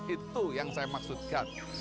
itu yang saya maksudkan